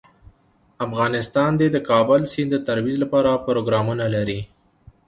افغانستان د د کابل سیند د ترویج لپاره پروګرامونه لري.